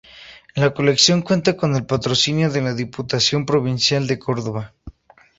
La colección cuenta con el patrocinio de la Diputación Provincial de Córdoba.